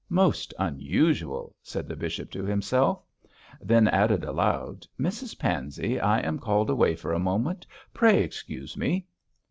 Most unusual,' said the bishop to himself. Then added aloud, 'Mrs Pansey, I am called away for a moment; pray excuse me.'